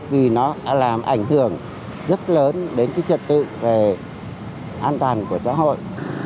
vì nó đã làm ảnh hưởng rất lớn đến trật tự về an toàn của xã hội